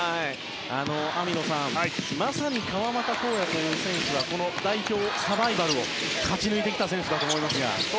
網野さん、まさに川真田紘也という選手は代表サバイバルを勝ち抜いてきた選手だと思いますが。